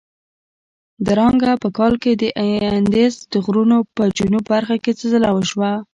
درانګه په کال کې د اندیز د غرونو په جنوب برخه کې زلزله وشوه.